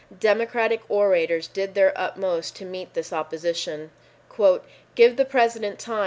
Democratic orators did their utmost to meet this opposition. "Give the President time.